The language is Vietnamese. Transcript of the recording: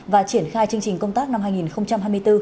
và triển khai chương trình công tác năm hai nghìn hai mươi bốn